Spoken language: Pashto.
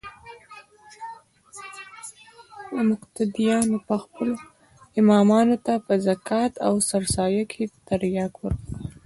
مقتديانو به خپلو امامانو ته په زکات او سرسايه کښې ترياک ورکول.